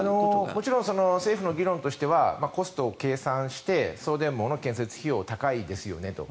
もちろん政府の議論としてはコストを計算して送電網の建設費用が高いですよねと。